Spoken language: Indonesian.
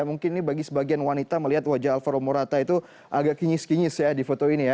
mungkin ini bagi sebagian wanita melihat wajah alvaro morata itu agak kinyis kinyis ya di foto ini ya